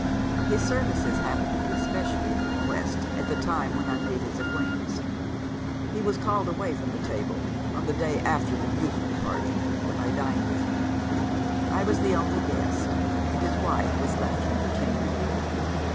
His services happened to be specially in request, at the time when I made his acquaintance. He was called away from his table, on the day after the musical party, when I dined with him. I was the only guest and his wife was left to entertain me.